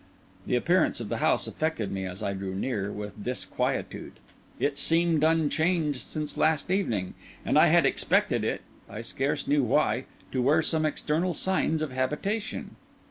The appearance of the house affected me, as I drew near, with disquietude. It seemed unchanged since last evening; and I had expected it, I scarce knew why, to wear some external signs of habitation.